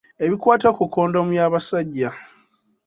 Ebikwata ku kondomu y’abasajja.